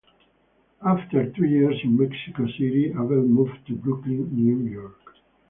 After two years in Mexico City, Abel moved to Brooklyn, New York.